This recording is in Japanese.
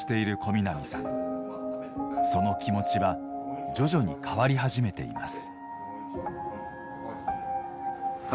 その気持ちは徐々に変わり始めています。